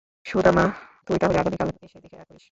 সুদামা, তুই তাহলে আগামীকাল এসে দেখা করিস।